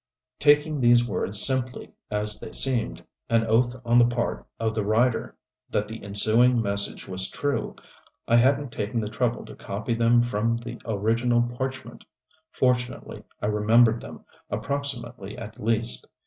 Taking these words simply as they seemed, an oath on the part of the writer that the ensuing message was true, I hadn't taken the trouble to copy them from the original parchment. Fortunately I remembered them, approximately at least.